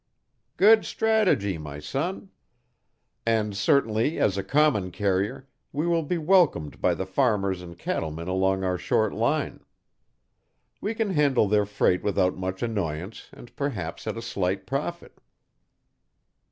"Good strategy, my son! And certainly as a common carrier we will be welcomed by the farmers and cattlemen along our short line. We can handle their freight without much annoyance and perhaps at a slight profit."